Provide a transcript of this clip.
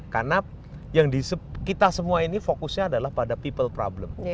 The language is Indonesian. karena yang kita semua ini fokusnya adalah pada people problem